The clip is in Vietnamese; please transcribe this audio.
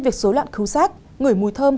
việc số loạn khứu sát ngửi mùi thơm